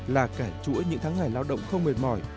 là cả chuỗi những tháng ngày lao động không mệt mỏi